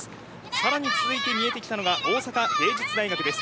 さらに、続いて見えてきたのが大阪芸術大学です。